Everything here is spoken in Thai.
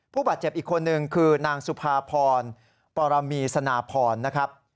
ผู้บาดเจ็บอีกคนนึงคือนางสุภาพรปรมีสนาพรนะครับ